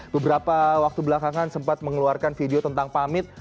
beberapa waktu belakangan sempat mengeluarkan video tentang pamit